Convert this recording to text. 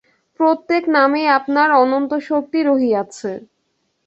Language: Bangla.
প্রত্যেক নামেই আপনার অনন্তশক্তি রহিয়াছে।